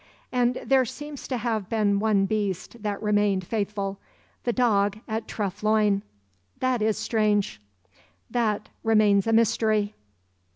"And there seems to have been one beast that remained faithful; the dog at Treff Loyne. That is strange." "That remains a mystery."